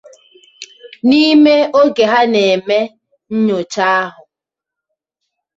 n'ime oge ha na-eme nnyocha ahụ